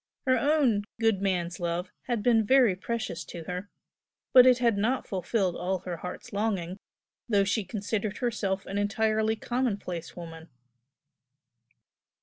Her own "good man's love" had been very precious to her, but it had not fulfilled all her heart's longing, though she considered herself an entirely commonplace woman.